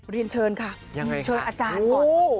เรียนเชิญค่ะยังไงเชิญอาจารย์ก่อน